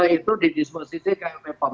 itu di disposisi kppom